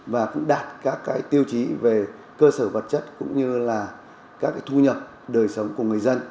và cũng đạt các tiêu chí về cơ sở vật chất cũng như là các cái thu nhập đời sống của người dân